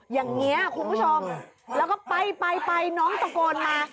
อย่างนี้คุณผู้ชมแล้วก็ไปไปน้องตะโกนมา